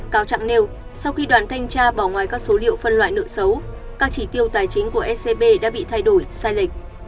cáo trạng nêu sau khi đoàn thanh tra bỏ ngoài các số liệu phân loại nợ xấu các chỉ tiêu tài chính của ecb đã bị thay đổi sai lệch